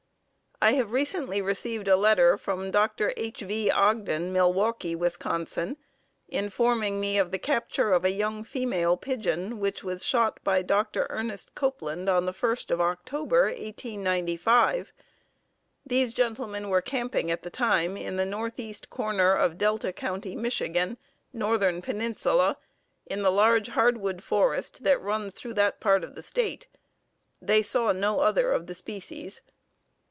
I have recently received a letter from Dr. H. V. Ogden, Milwaukee, Wis., informing me of the capture of a young female pigeon which was shot by Dr. Ernest Copeland on the 1st of October, 1895. These gentlemen were camping at the time in the northeast corner of Delta County, Mich. (Northern Peninsula), in the large hardwood forest that runs through that part of the State. They saw no other of the species.